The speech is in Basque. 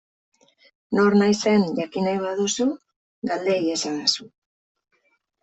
Nor naizen jakin nahi baduzu, galde iezadazu.